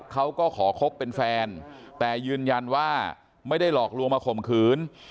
เขาก็ขอคบเป็นแฟนแต่ยืนยันว่าไม่ได้หลอกลวงมาข่มขืน